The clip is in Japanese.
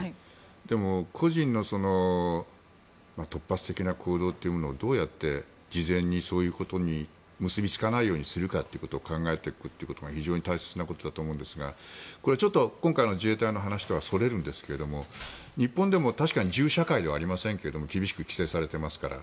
でも、個人の突発的な行動というものをどうやって事前にそういうことに結びつかないようにするかってことを考えていくことが非常に大切なことだと思うんですが今回の自衛隊の話とはそれますが日本でも確かに銃社会ではありませんが厳しく規制されていますから。